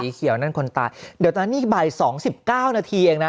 สีเขียวนั่นคนตายเดี๋ยวตอนนั้นนี่บ่ายสองสิบเก้านาทีเองนะ